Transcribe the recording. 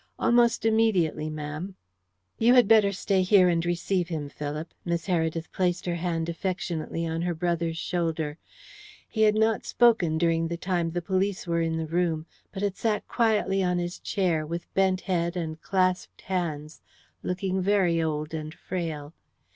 "Almost immediately, ma'am." "You had better stay here and receive him, Philip." Miss Heredith placed her hand affectionately on her brother's shoulder. He had not spoken during the time the police were in the room, but had sat quietly on his chair, with bent head and clasped hands, looking very old and frail.